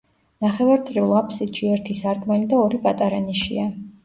ნახევარწრიულ აფსიდში ერთი სარკმელი და ორი პატარა ნიშია.